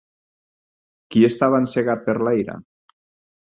Qui estava encegat per la ira?